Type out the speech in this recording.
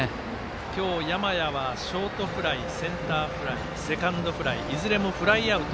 今日、山家はショートフライ、センターフライセカンドフライいずれもフライアウト。